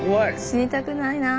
死にたくないな。